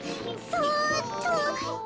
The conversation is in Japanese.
そっと。